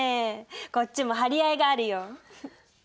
こっちも張り合いがあるよ。